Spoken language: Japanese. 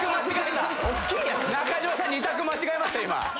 中島さん二択間違えました今。